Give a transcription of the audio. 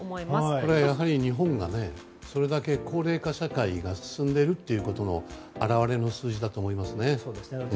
これは、やはり日本がそれだけ高齢化社会が進んでいるということの表れの数字だと思います。